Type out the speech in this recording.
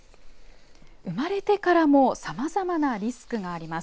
生まれてからもさまざまなリスクがあります。